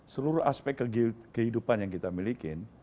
seluruh aspek kehidupan yang kita miliki